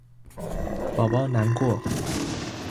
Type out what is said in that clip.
寶寶難過